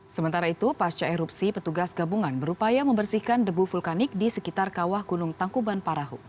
sementara itu pasca erupsi petugas gabungan berupaya membersihkan debu vulkanik di sekitar kawah gunung tangkuban parahu